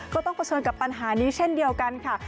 ต้องเผชิญกับปัญหานี้เช่นเดียวกันค่ะ